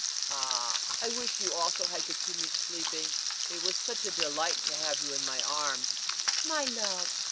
Ah, I wish you also had continued sleeping! It was such a delight to have you in my arms." "My love!"